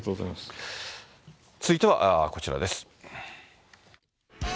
続いてはこちらです。